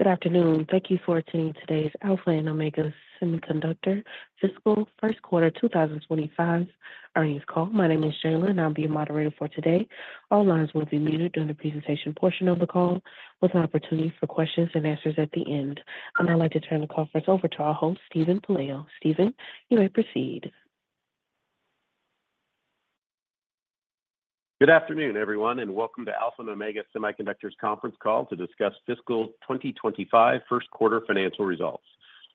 Good afternoon. Thank you for attending today's Alpha and Omega Semiconductor Fiscal First Quarter 2025 Earnings Call. My name is Jaylen and I'll be your moderator for today. All lines will be muted during the presentation portion of the call, with an opportunity for questions and answers at the end. I'd like to turn the conference over to our host, Stephen Pelayo. Stephen, you may proceed. Good afternoon, everyone, and welcome to Alpha and Omega Semiconductor's conference call to discuss Fiscal 2025 first quarter financial results.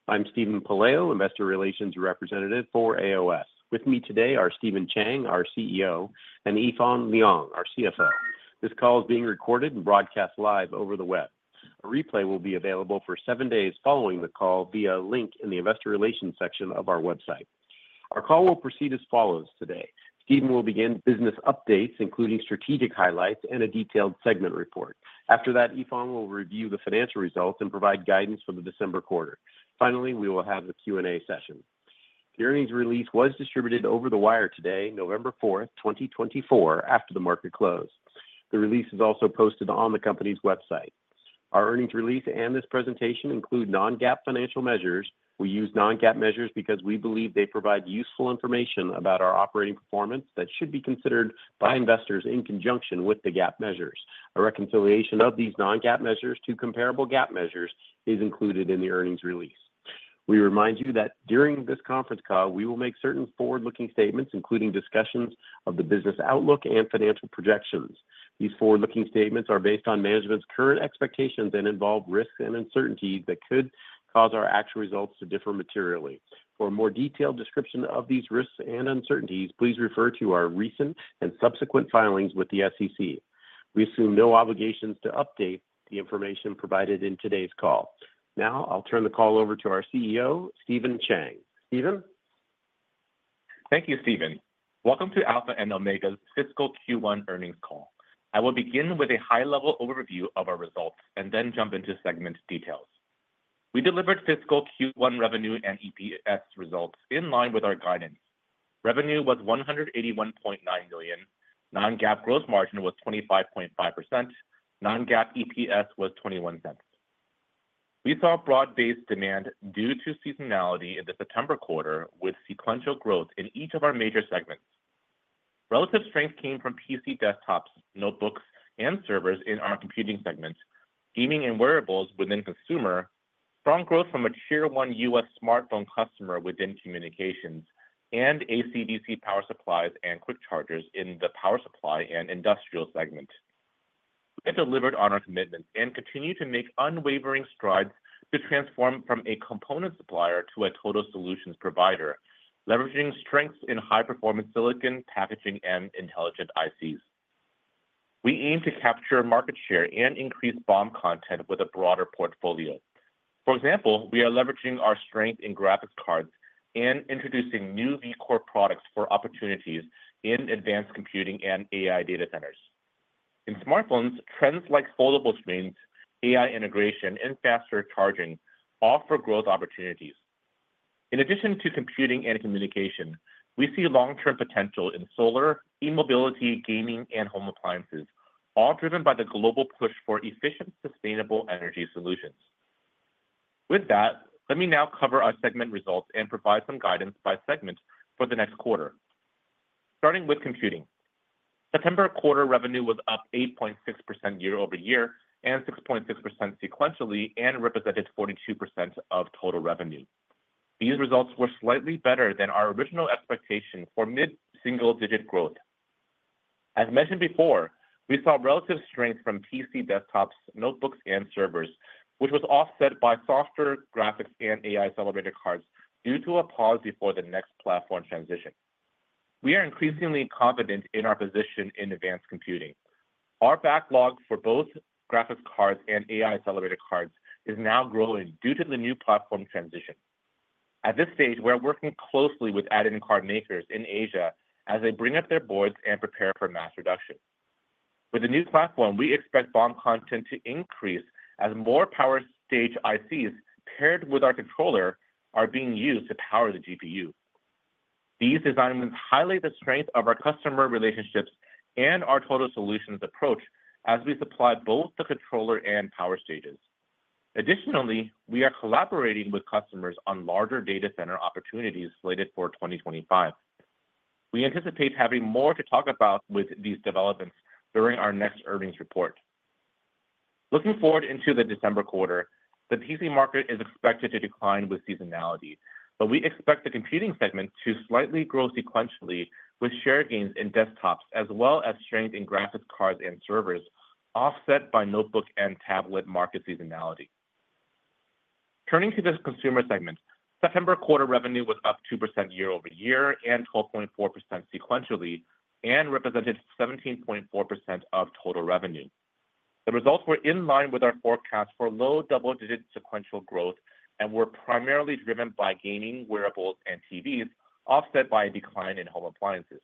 I'm Stephen Pelayo, Investor Relations Representative for AOS. With me today are Stephen Chang, our CEO, and Yifan Liang, our CFO. This call is being recorded and broadcast live over the web. A replay will be available for seven days following the call via a link in the Investor Relations section of our website. Our call will proceed as follows today. Stephen will begin business updates, including strategic highlights and a detailed segment report. After that, Yifan will review the financial results and provide guidance for the December quarter. Finally, we will have a Q&A session. The earnings release was distributed over the wire today, November 4th, 2024, after the market closed. The release is also posted on the company's website. Our earnings release and this presentation include non-GAAP financial measures. We use non-GAAP measures because we believe they provide useful information about our operating performance that should be considered by investors in conjunction with the GAAP measures. A reconciliation of these non-GAAP measures to comparable GAAP measures is included in the earnings release. We remind you that during this conference call, we will make certain forward-looking statements, including discussions of the business outlook and financial projections. These forward-looking statements are based on management's current expectations and involve risks and uncertainties that could cause our actual results to differ materially. For a more detailed description of these risks and uncertainties, please refer to our recent and subsequent filings with the SEC. We assume no obligations to update the information provided in today's call. Now, I'll turn the call over to our CEO, Stephen Chang. Stephen? Thank you, Stephen. Welcome to Alpha and Omega's Fiscal Q1 earnings call. I will begin with a high-level overview of our results and then jump into segment details. We delivered Fiscal Q1 revenue and EPS results in line with our guidance. Revenue was $181.9 million. Non-GAAP gross margin was 25.5%. Non-GAAP EPS was $0.21. We saw broad-based demand due to seasonality in the September quarter, with sequential growth in each of our major segments. Relative strength came from PC desktops, notebooks, and servers in our computing segment, gaming and wearables within consumer, strong growth from a Tier 1 U.S. smartphone customer within communications, and AC/DC power supplies and quick chargers in the power supply and industrial segment. We have delivered on our commitments and continue to make unwavering strides to transform from a component supplier to a total solutions provider, leveraging strengths in high-performance silicon packaging and intelligent ICs. We aim to capture market share and increase BOM content with a broader portfolio. For example, we are leveraging our strength in graphics cards and introducing new VCore products for opportunities in advanced computing and AI data centers. In smartphones, trends like foldable screens, AI integration, and faster charging offer growth opportunities. In addition to computing and communication, we see long-term potential in solar, e-mobility, gaming, and home appliances, all driven by the global push for efficient, sustainable energy solutions. With that, let me now cover our segment results and provide some guidance by segment for the next quarter. Starting with computing, September quarter revenue was up 8.6% year over year and 6.6% sequentially and represented 42% of total revenue. These results were slightly better than our original expectation for mid-single-digit growth. As mentioned before, we saw relative strength from PC desktops, notebooks, and servers, which was offset by softer graphics and AI accelerator cards due to a pause before the next platform transition. We are increasingly confident in our position in advanced computing. Our backlog for both graphics cards and AI accelerator cards is now growing due to the new platform transition. At this stage, we are working closely with add-in card makers in Asia as they bring up their boards and prepare for mass production. With the new platform, we expect BOM content to increase as more power stage ICs paired with our controller are being used to power the GPU. These developments highlight the strength of our customer relationships and our total solutions approach as we supply both the controller and power stages. Additionally, we are collaborating with customers on larger data center opportunities slated for 2025. We anticipate having more to talk about with these developments during our next earnings report. Looking forward into the December quarter, the PC market is expected to decline with seasonality, but we expect the computing segment to slightly grow sequentially with share gains in desktops as well as strength in graphics cards and servers offset by notebook and tablet market seasonality. Turning to this consumer segment, September quarter revenue was up 2% year over year and 12.4% sequentially and represented 17.4% of total revenue. The results were in line with our forecast for low double-digit sequential growth and were primarily driven by gaming, wearables, and TVs, offset by a decline in home appliances.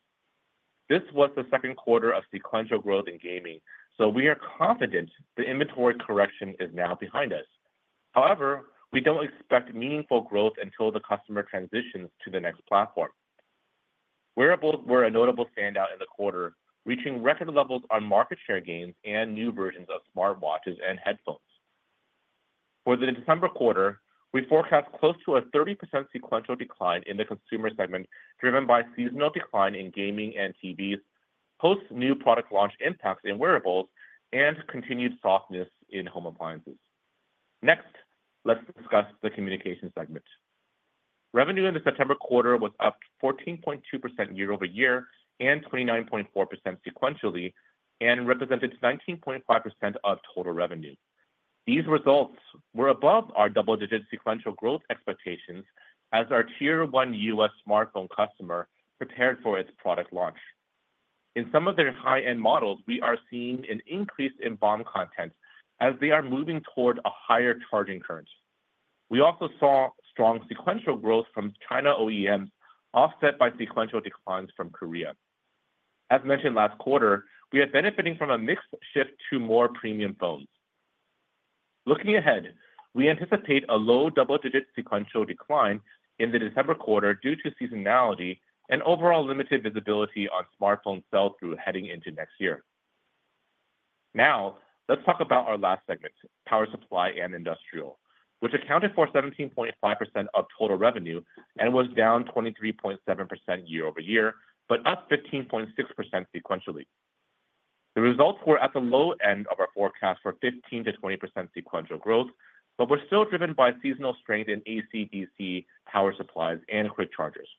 This was the second quarter of sequential growth in gaming, so we are confident the inventory correction is now behind us. However, we don't expect meaningful growth until the customer transitions to the next platform. Wearables were a notable standout in the quarter, reaching record levels on market share gains and new versions of smartwatches and headphones. For the December quarter, we forecast close to a 30% sequential decline in the consumer segment driven by seasonal decline in gaming and TVs, post new product launch impacts in wearables, and continued softness in home appliances. Next, let's discuss the communication segment. Revenue in the September quarter was up 14.2% year over year and 29.4% sequentially and represented 19.5% of total revenue. These results were above our double-digit sequential growth expectations as our Tier 1 U.S. smartphone customer prepared for its product launch. In some of their high-end models, we are seeing an increase in BOM content as they are moving toward a higher charging current. We also saw strong sequential growth from China OEMs, offset by sequential declines from Korea. As mentioned last quarter, we are benefiting from a mix shift to more premium phones. Looking ahead, we anticipate a low double-digit sequential decline in the December quarter due to seasonality and overall limited visibility on smartphone sell-through, heading into next year. Now, let's talk about our last segment, power supply and industrial, which accounted for 17.5% of total revenue and was down 23.7% year over year, but up 15.6% sequentially. The results were at the low end of our forecast for 15%-20% sequential growth, but were still driven by seasonal strength in AC/DC power supplies and quick chargers.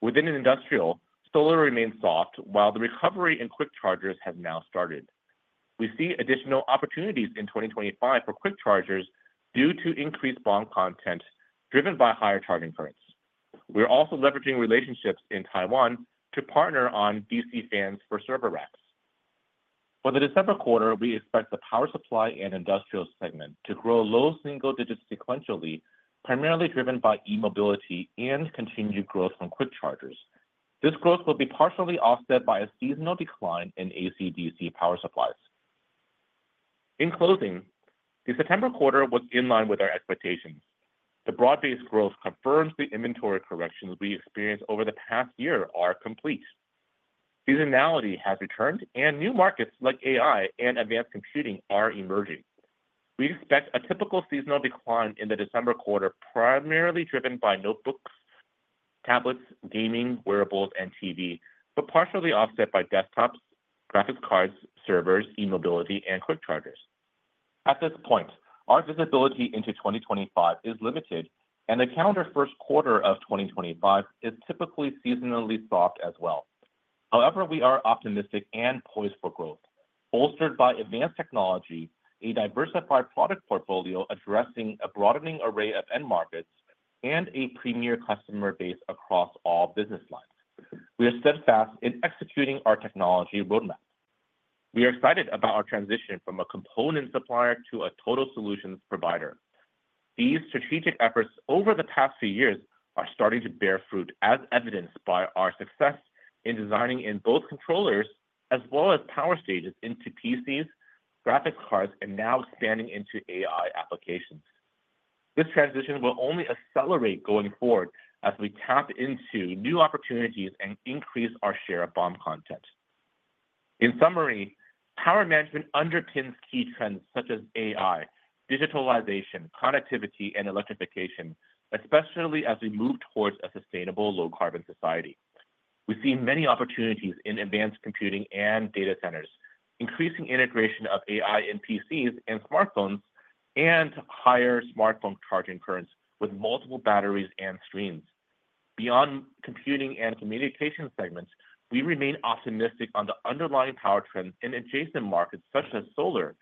Within industrial, solar remained soft, while the recovery in quick chargers has now started. We see additional opportunities in 2025 for quick chargers due to increased BOM content driven by higher charging currents. We are also leveraging relationships in Taiwan to partner on DC fans for server racks. For the December quarter, we expect the power supply and industrial segment to grow low single digits sequentially, primarily driven by e-mobility and continued growth from quick chargers. This growth will be partially offset by a seasonal decline in AC/DC power supplies. In closing, the September quarter was in line with our expectations. The broad-based growth confirms the inventory corrections we experienced over the past year are complete. Seasonality has returned, and new markets like AI and advanced computing are emerging. We expect a typical seasonal decline in the December quarter, primarily driven by notebooks, tablets, gaming, wearables, and TV, but partially offset by desktops, graphics cards, servers, e-mobility, and quick chargers. At this point, our visibility into 2025 is limited, and the calendar first quarter of 2025 is typically seasonally soft as well. However, we are optimistic and poised for growth, bolstered by advanced technology, a diversified product portfolio addressing a broadening array of end markets, and a premier customer base across all business lines. We are steadfast in executing our technology roadmap. We are excited about our transition from a component supplier to a total solutions provider. These strategic efforts over the past few years are starting to bear fruit, as evidenced by our success in designing both controllers as well as power stages into PCs, graphics cards, and now expanding into AI applications. This transition will only accelerate going forward as we tap into new opportunities and increase our share of BOM content. In summary, power management underpins key trends such as AI, digitalization, connectivity, and electrification, especially as we move towards a sustainable low-carbon society. We see many opportunities in advanced computing and data centers, increasing integration of AI in PCs and smartphones, and higher smartphone charging currents with multiple batteries and streams. Beyond computing and communication segments, we remain optimistic on the underlying power trends in adjacent markets such as solar,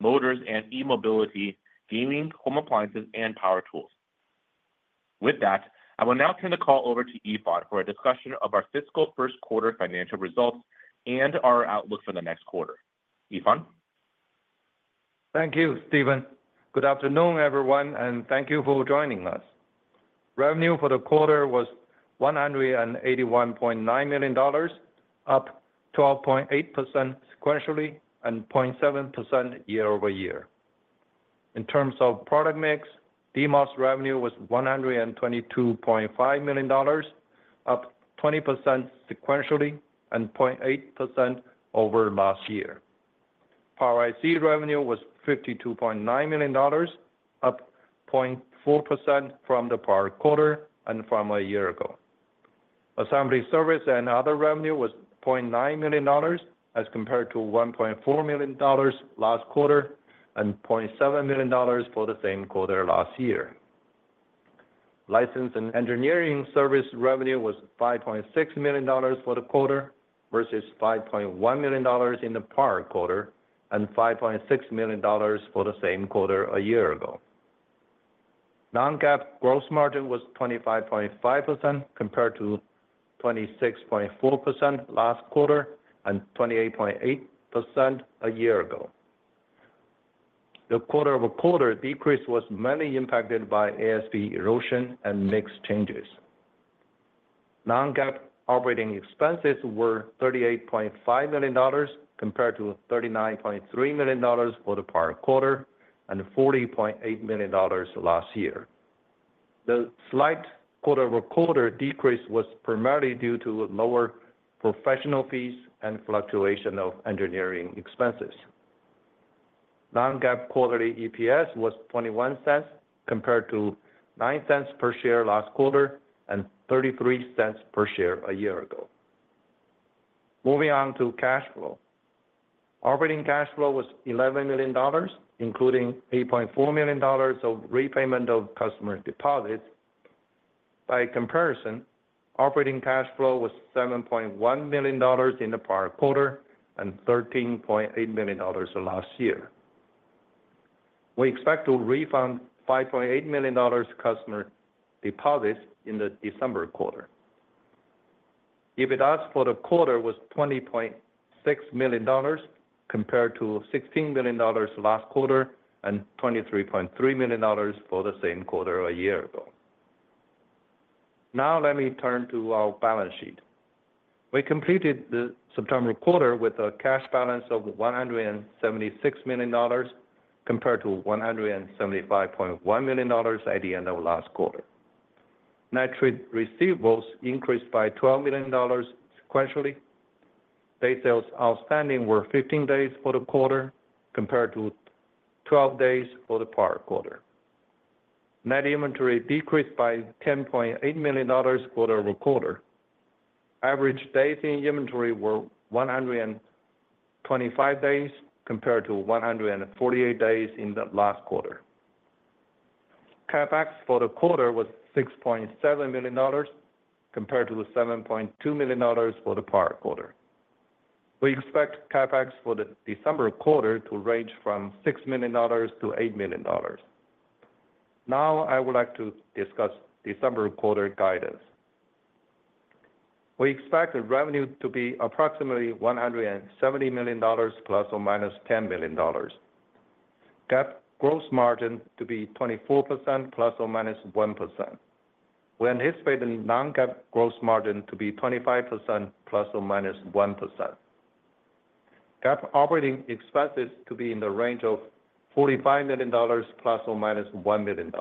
motors, and e-mobility, gaming, home appliances, and power tools. With that, I will now turn the call over to Yifan for a discussion of our Fiscal First Quarter financial results and our outlook for the next quarter. Yifan? Thank you, Stephen. Good afternoon, everyone, and thank you for joining us. Revenue for the quarter was $181.9 million, up 12.8% sequentially and 0.7% year over year. In terms of product mix, DMOS revenue was $122.5 million, up 20% sequentially and 0.8% over last year. Power IC revenue was $52.9 million, up 0.4% from the prior quarter and from a year ago. Assembly service and other revenue was $0.9 million as compared to $1.4 million last quarter and $0.7 million for the same quarter last year. License and engineering service revenue was $5.6 million for the quarter versus $5.1 million in the prior quarter and $5.6 million for the same quarter a year ago. Non-GAAP gross margin was 25.5% compared to 26.4% last quarter and 28.8% a year ago. The quarter-over-quarter decrease was mainly impacted by ASP erosion and mix changes. Non-GAAP operating expenses were $38.5 million compared to $39.3 million for the prior quarter and $40.8 million last year. The slight quarter-over-quarter decrease was primarily due to lower professional fees and fluctuation of engineering expenses. Non-GAAP quarterly EPS was $0.21 compared to $0.09 per share last quarter and $0.33 per share a year ago. Moving on to cash flow. Operating cash flow was $11 million, including $8.4 million of repayment of customer deposits. By comparison, operating cash flow was $7.1 million in the prior quarter and $13.8 million last year. We expect to refund $5.8 million customer deposits in the December quarter. EBITDA for the quarter was $20.6 million compared to $16 million last quarter and $23.3 million for the same quarter a year ago. Now, let me turn to our balance sheet. We completed the September quarter with a cash balance of $176 million compared to $175.1 million at the end of last quarter. Net receivables increased by $12 million sequentially. Days sales outstanding were 15 days for the quarter compared to 12 days for the prior quarter. Net inventory decreased by $10.8 million quarter over quarter. Average days in inventory were 125 days compared to 148 days in the last quarter. CapEx for the quarter was $6.7 million compared to $7.2 million for the prior quarter. We expect CapEx for the December quarter to range from $6 million-$8 million. Now, I would like to discuss December quarter guidance. We expect the revenue to be approximately $170 million ±$10 million. GAAP gross margin to be 24% ±1%. We anticipate the non-GAAP gross margin to be 25% ±1%. GAAP operating expenses to be in the range of $45 million ±$1 million.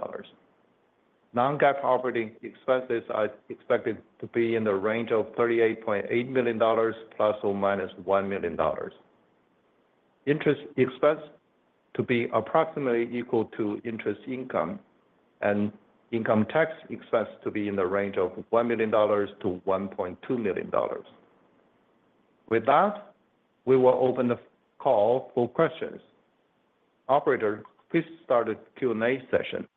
Non-GAAP operating expenses are expected to be in the range of $38.8 million ±$1 million. Interest expense to be approximately equal to interest income and income tax expense to be in the range of $1 million-$1.2 million. With that, we will open the call for questions. Operator, please start the Q&A session.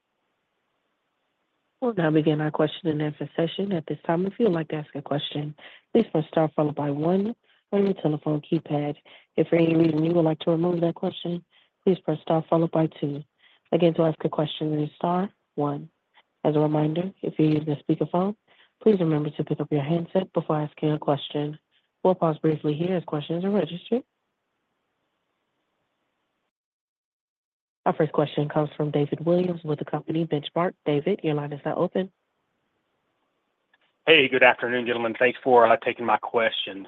We'll now begin our question and answer session. At this time, if you'd like to ask a question, please press star followed by one on your telephone keypad. If for any reason you would like to remove that question, please press star followed by two. Again, to ask a question, press star one. As a reminder, if you're using a speakerphone, please remember to pick up your handset before asking a question. We'll pause briefly here as questions are registered. Our first question comes from David Williams with the company Benchmark. David, your line is now open. Hey, good afternoon, gentlemen. Thanks for taking my questions,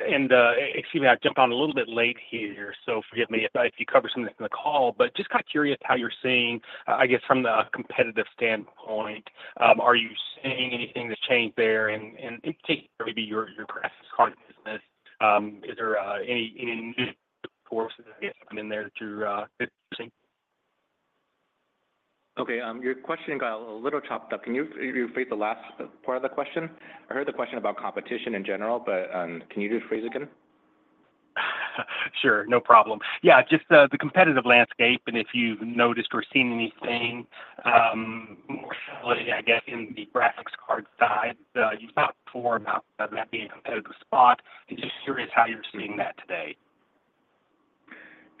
and excuse me, I jumped on a little bit late here, so forgive me if you covered something in the call, but just kind of curious how you're seeing, I guess, from the competitive standpoint, are you seeing anything that's changed there, and in particular, maybe your graphics card business, is there any new forces that have come in there that you're seeing? Okay. Your question got a little chopped up. Can you rephrase the last part of the question? I heard the question about competition in general, but can you just phrase it again? Sure. No problem. Yeah, just the competitive landscape, and if you've noticed or seen anything more selling, I guess, in the graphics card side, you've talked before about that being a competitive spot. Just curious how you're seeing that today?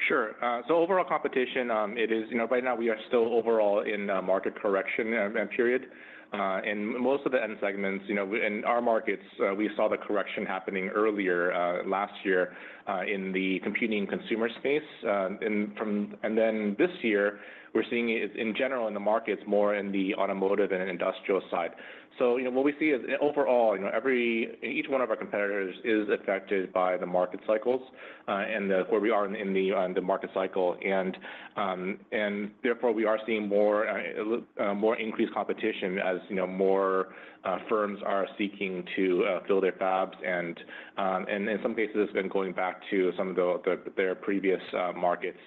Sure. So, overall competition, it is right now we are still overall in a market correction period. And most of the end segments in our markets, we saw the correction happening earlier last year in the computing consumer space. And then this year, we're seeing it in general in the markets more in the automotive and industrial side. So, what we see is overall, each one of our competitors is affected by the market cycles and where we are in the market cycle. And therefore, we are seeing more increased competition as more firms are seeking to fill their fabs. And in some cases, it's been going back to some of their previous markets.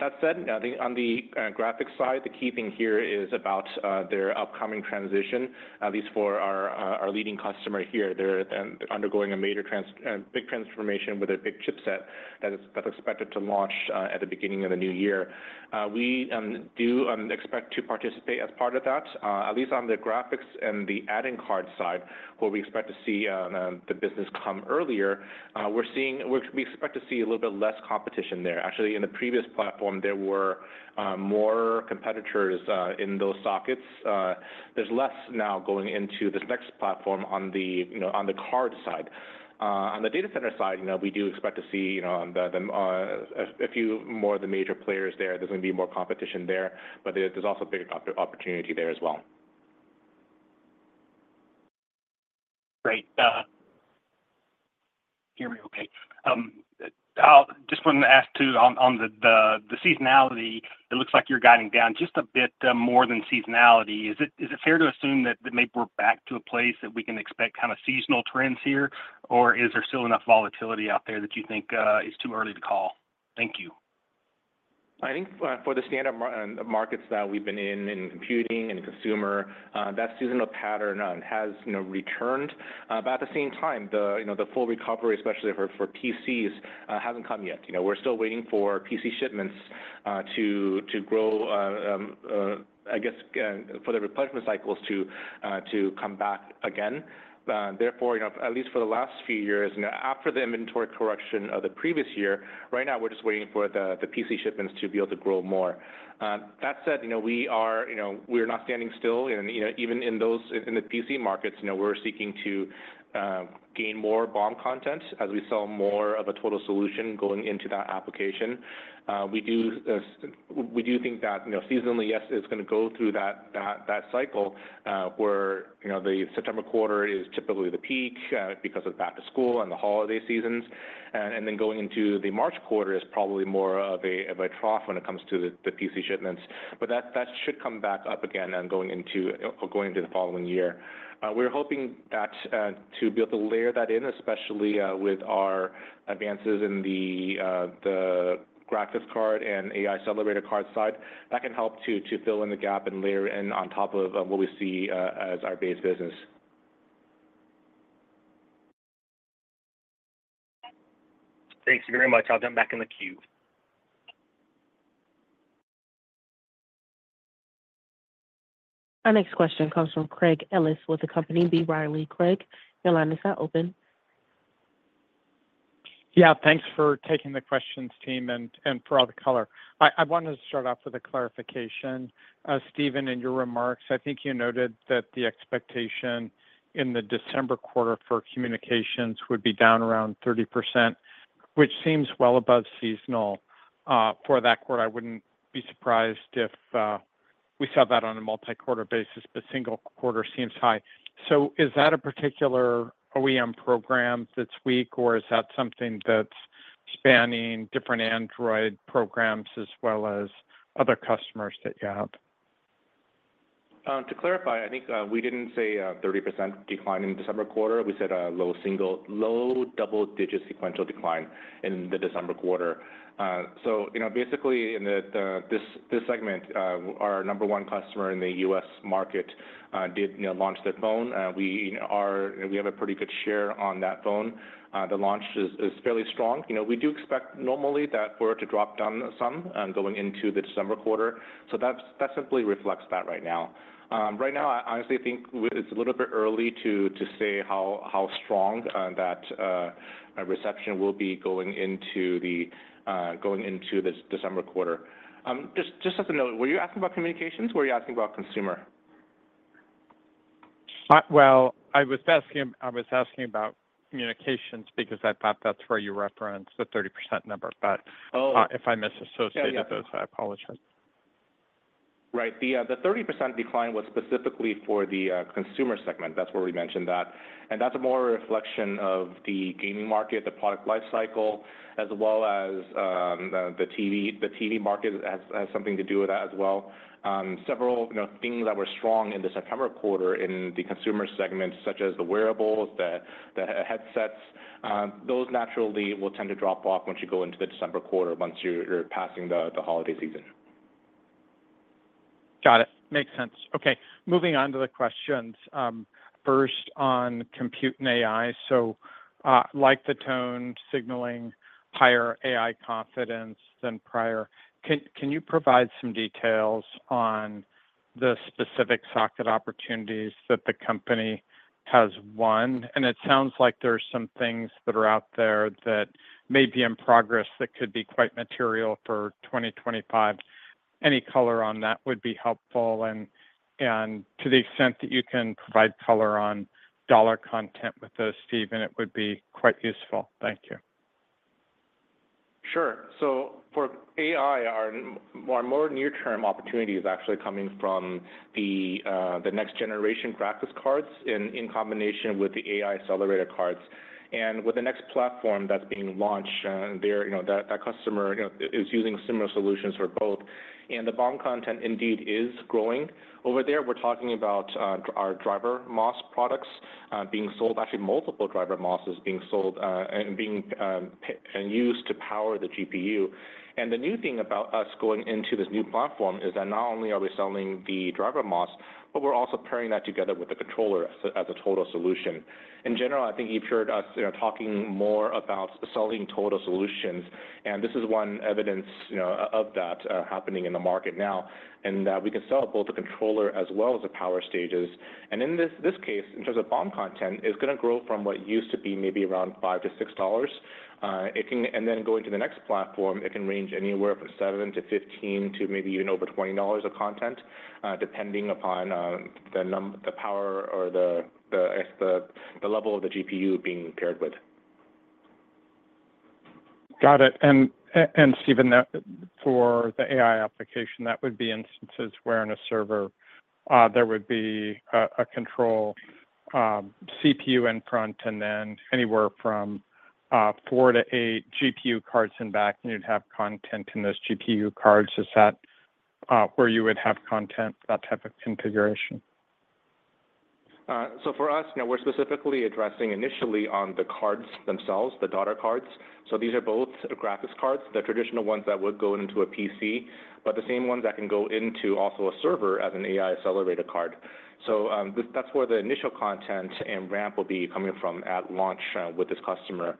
That said, I think on the graphics side, the key thing here is about their upcoming transition, at least for our leading customer here. They're undergoing a big transformation with their big chipset that's expected to launch at the beginning of the new year. We do expect to participate as part of that, at least on the graphics and the add-in card side, where we expect to see the business come earlier. We expect to see a little bit less competition there. Actually, in the previous platform, there were more competitors in those sockets. There's less now going into this next platform on the card side. On the data center side, we do expect to see a few more of the major players there. There's going to be more competition there, but there's also bigger opportunity there as well. Great. Hear me okay. I just wanted to ask too, on the seasonality, it looks like you're guiding down just a bit more than seasonality. Is it fair to assume that maybe we're back to a place that we can expect kind of seasonal trends here, or is there still enough volatility out there that you think it's too early to call? Thank you. I think for the standard markets that we've been in, in computing and consumer, that seasonal pattern has returned. But at the same time, the full recovery, especially for PCs, hasn't come yet. We're still waiting for PC shipments to grow, I guess, for the replenishment cycles to come back again. Therefore, at least for the last few years, after the inventory correction of the previous year, right now we're just waiting for the PC shipments to be able to grow more. That said, we are not standing still. And even in the PC markets, we're seeking to gain more BOM content as we sell more of a total solution going into that application. We do think that seasonally, yes, it's going to go through that cycle where the September quarter is typically the peak because of back to school and the holiday seasons. And then going into the March quarter is probably more of a trough when it comes to the PC shipments. But that should come back up again going into the following year. We're hoping to be able to layer that in, especially with our advances in the graphics card and AI accelerator card side. That can help to fill in the gap and layer in on top of what we see as our base business. Thank you very much. I'll jump back in the queue. Our next question comes from Craig Ellis with the company B. Riley Securities. Craig, your line is now open. Yeah, thanks for taking the questions, team, and for all the color. I wanted to start off with a clarification. Stephen, in your remarks, I think you noted that the expectation in the December quarter for communications would be down around 30%, which seems well above seasonal. For that quarter, I wouldn't be surprised if we saw that on a multi-quarter basis, but single quarter seems high. So is that a particular OEM program that's weak, or is that something that's spanning different Android programs as well as other customers that you have? To clarify, I think we didn't say a 30% decline in December quarter. We said a low single- to low double-digit sequential decline in the December quarter. So basically, in this segment, our number one customer in the U.S. market did launch their phone. We have a pretty good share on that phone. The launch is fairly strong. We do expect normally that for it to drop down some going into the December quarter. So that simply reflects that right now. Right now, I honestly think it's a little bit early to say how strong that reception will be going into the December quarter. Just as a note, were you asking about communications? Were you asking about consumer? I was asking about communications because I thought that's where you referenced the 30% number. But if I misassociated those, I apologize. Right. The 30% decline was specifically for the consumer segment. That's where we mentioned that, and that's more a reflection of the gaming market, the product lifecycle, as well as the TV market has something to do with that as well. Several things that were strong in the September quarter in the consumer segment, such as the wearables, the headsets, those naturally will tend to drop off once you go into the December quarter, once you're passing the holiday season. Got it. Makes sense. Okay. Moving on to the questions. First, on compute and AI, so like the tone signaling higher AI confidence than prior, can you provide some details on the specific socket opportunities that the company has won? And it sounds like there are some things that are out there that may be in progress that could be quite material for 2025. Any color on that would be helpful. And to the extent that you can provide color on dollar content with those, Stephen, it would be quite useful. Thank you. Sure. So for AI, our more near-term opportunity is actually coming from the next generation graphics cards in combination with the AI accelerator cards. And with the next platform that's being launched, that customer is using similar solutions for both. And the BOM content indeed is growing. Over there, we're talking about our DrMOS products being sold, actually multiple DrMOSs being sold and used to power the GPU. And the new thing about us going into this new platform is that not only are we selling the DrMOS, but we're also pairing that together with the controller as a total solution. In general, I think you've heard us talking more about selling total solutions. And this is one evidence of that happening in the market now, and that we can sell both a controller as well as the power stages. In this case, in terms of BOM content, it's going to grow from what used to be maybe around $5-$6. Then going to the next platform, it can range anywhere from $7-$15 to maybe even over $20 of content, depending upon the power or the level of the GPU being paired with. Got it. And Stephen, for the AI application, that would be instances where on a server there would be a control CPU in front and then anywhere from four to eight GPU cards in back, and you'd have compute in those GPU cards. Is that where you would have compute, that type of configuration? So for us, we're specifically addressing initially on the cards themselves, the daughter cards. So these are both graphics cards, the traditional ones that would go into a PC, but the same ones that can go into also a server as an AI accelerator card. So that's where the initial content and ramp will be coming from at launch with this customer.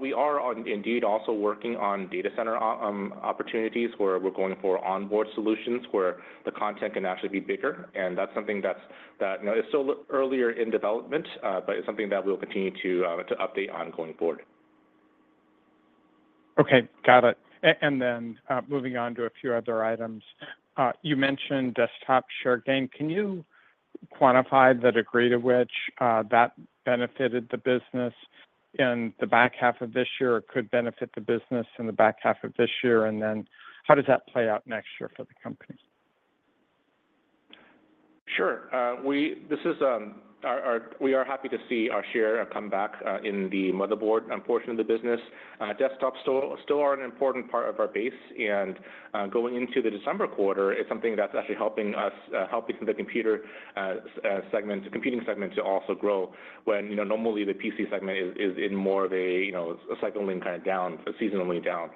We are indeed also working on data center opportunities where we're going for onboard solutions where the content can actually be bigger. And that's something that is still earlier in development, but it's something that we'll continue to update on going forward. Okay. Got it. And then moving on to a few other items. You mentioned desktop share gain. Can you quantify the degree to which that benefited the business in the back half of this year or could benefit the business in the back half of this year? And then how does that play out next year for the company? Sure. We are happy to see our share come back in the motherboard portion of the business. Desktops still are an important part of our base, and going into the December quarter, it's something that's actually helping us, helping the computer segment, computing segment to also grow when normally the PC segment is in more of a cycling kind of down, seasonally down,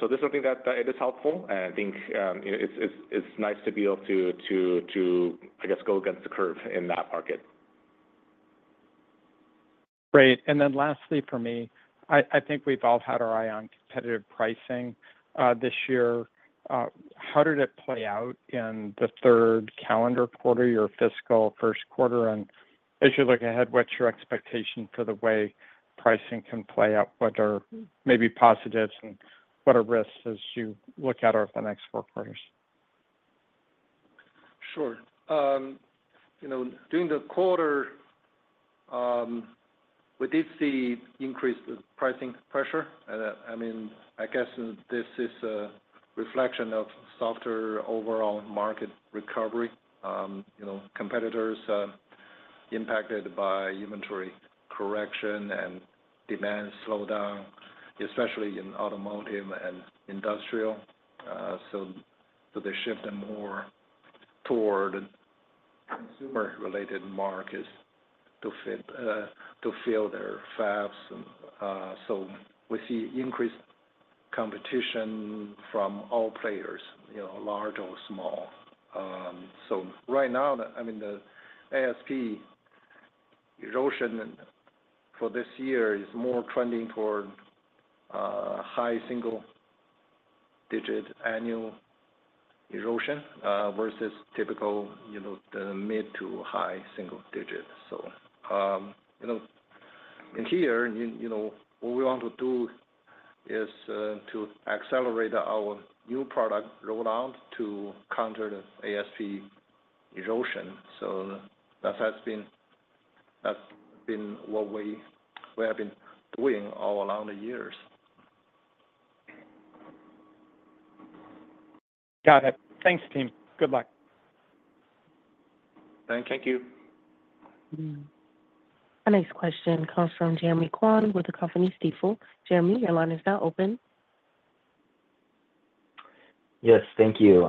so this is something that is helpful, and I think it's nice to be able to, I guess, go against the curve in that market. Great. And then lastly for me, I think we've all had our eye on competitive pricing this year. How did it play out in the third calendar quarter, your fiscal first quarter? And as you look ahead, what's your expectation for the way pricing can play out? What are maybe positives and what are risks as you look at our next four quarters? Sure. During the quarter, we did see increased pricing pressure. I mean, I guess this is a reflection of softer overall market recovery. Competitors impacted by inventory correction and demand slowdown, especially in automotive and industrial. So they shifted more toward consumer-related markets to fill their fabs. So we see increased competition from all players, large or small. So right now, I mean, the ASP erosion for this year is more trending toward high single-digit annual erosion versus typical mid- to high single-digit. So in here, what we want to do is to accelerate our new product rollout to counter the ASP erosion. So that's been what we have been doing all along the years. Got it. Thanks, team. Good luck. Thank you. Our next question comes from Jeremy Kwan with the company Stifel. Jeremy, your line is now open. Yes. Thank you.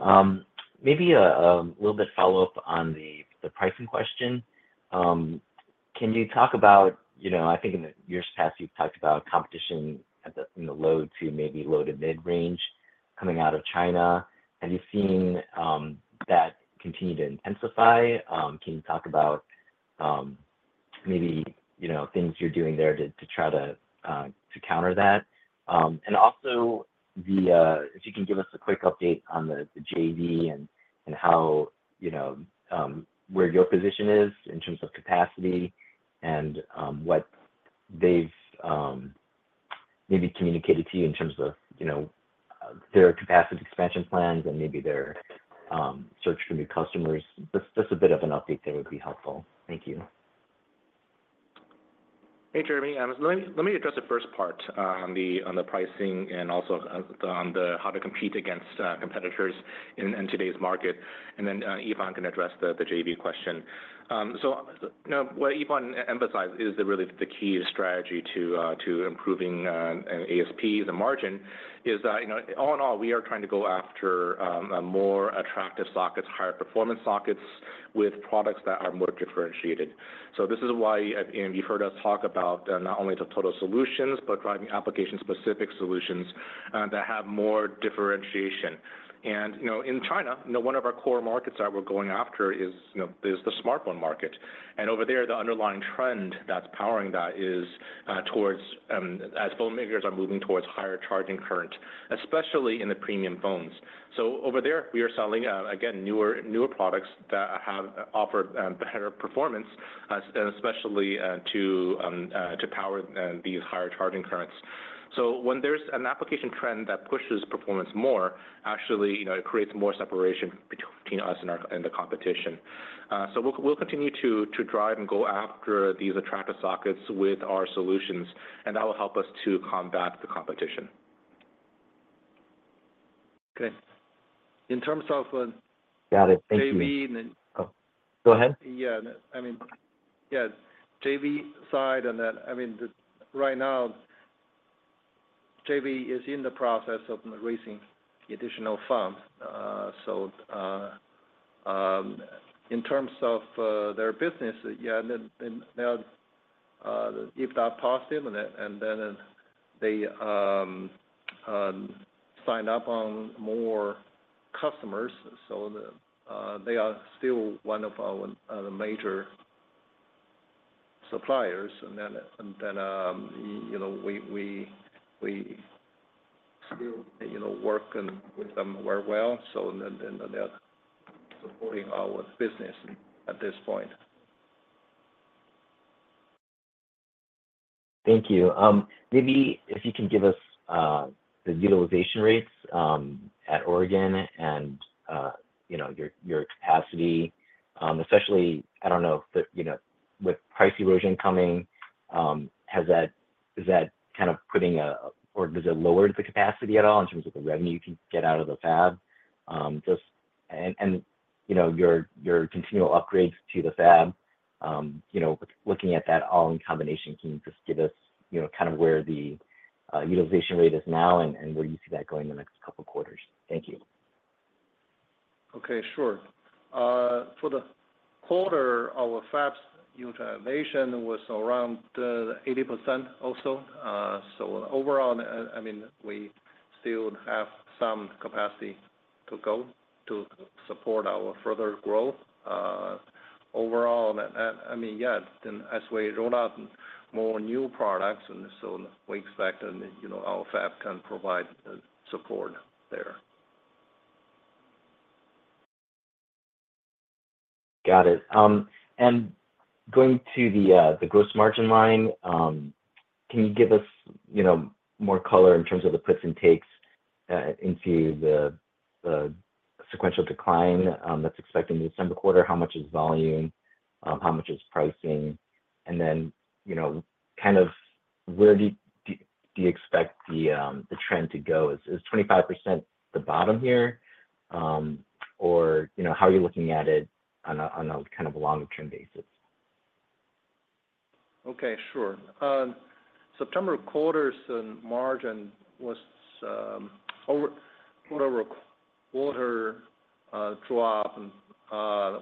Maybe a little bit of follow-up on the pricing question. Can you talk about, I think in the years past, you've talked about competition in the low to maybe low to mid-range coming out of China. Have you seen that continue to intensify? Can you talk about maybe things you're doing there to try to counter that? And also, if you can give us a quick update on the JV and where your position is in terms of capacity and what they've maybe communicated to you in terms of their capacity expansion plans and maybe their search for new customers. Just a bit of an update there would be helpful. Thank you. Hey, Jeremy. Let me address the first part on the pricing and also on how to compete against competitors in today's market. Then Yifan can address the JV question. So what Yifan emphasized is really the key strategy to improving ASPs and margin. That all in all, we are trying to go after more attractive sockets, higher performance sockets with products that are more differentiated. So this is why you've heard us talk about not only the total solutions, but driving application-specific solutions that have more differentiation. And in China, one of our core markets that we're going after is the smartphone market. And over there, the underlying trend that's powering that is towards, as phone makers are moving towards higher charging current, especially in the premium phones. So over there, we are selling, again, newer products that offer better performance, especially to power these higher charging currents. So when there's an application trend that pushes performance more, actually, it creates more separation between us and the competition. So we'll continue to drive and go after these attractive sockets with our solutions, and that will help us to combat the competition. Okay. In terms of. Got it. Thank you. Jaylen and then. Go ahead. Yeah. I mean, yeah. JV side on that, I mean, right now, JV is in the process of raising additional funds. So in terms of their business, yeah, they're if that's positive, and then they sign up on more customers. So they are still one of our major suppliers. And then we still work with them very well. So then they're supporting our business at this point. Thank you. Maybe if you can give us the utilization rates at Oregon and your capacity, especially, I don't know, with price erosion coming, is that kind of, or does it lower the capacity at all in terms of the revenue you can get out of the fab, and your continual upgrades to the fab, looking at that all in combination, can you just give us kind of where the utilization rate is now and where you see that going in the next couple of quarters? Thank you. Okay. Sure. For the quarter, our fabs utilization was around 80% also. So overall, I mean, we still have some capacity to go to support our further growth. Overall, I mean, yeah, as we roll out more new products, and so we expect our fab can provide support there. Got it. And going to the gross margin line, can you give us more color in terms of the puts and takes into the sequential decline that's expected in the December quarter? How much is volume? How much is pricing? And then kind of where do you expect the trend to go? Is 25% the bottom here, or how are you looking at it on a kind of longer-term basis? Okay. Sure. September quarter's margin was over-quarter drop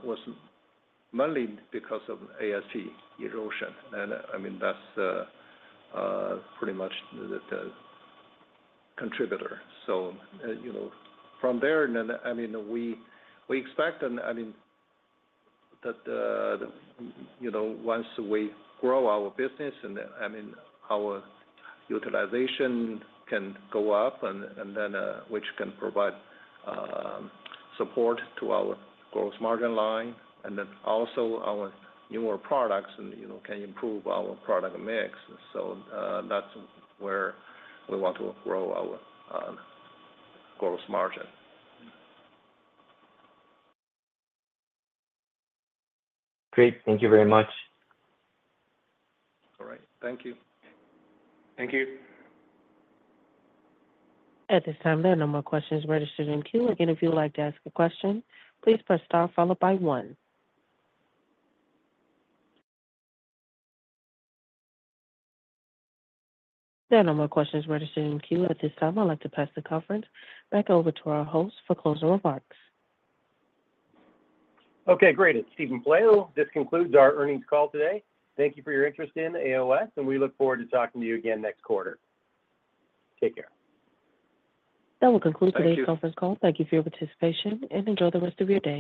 was mainly because of ASP erosion, and I mean, that's pretty much the contributor, so from there, I mean, we expect that once we grow our business, I mean, our utilization can go up, which can provide support to our gross margin line, and then also our newer products can improve our product mix, so that's where we want to grow our gross margin. Great. Thank you very much. All right. Thank you. Thank you. At this time, there are no more questions registered in queue. Again, if you would like to ask a question, please press star followed by one. There are no more questions registered in queue. At this time, I'd like to pass the conference back over to our host for closing remarks. Okay. Great. It's Stephen Pelayo. This concludes our earnings call today. Thank you for your interest in AOS, and we look forward to talking to you again next quarter. Take care. That will conclude today's conference call. Thank you for your participation, and enjoy the rest of your day.